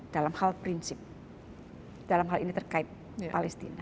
dalam hal prinsip dalam hal ini terkait palestina